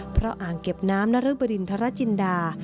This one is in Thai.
เพราะอ่างเก็บน้ำนรบริณฑรจินดา